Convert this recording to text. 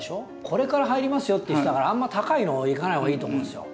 これから入りますよっていう人だからあんま高いのいかない方がいいと思うんですよ。